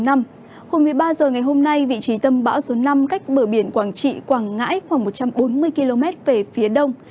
hồi một mươi ba h ngày hôm nay vị trí tâm bão số năm cách bờ biển quảng trị quảng ngãi khoảng một trăm bốn mươi km về phía đông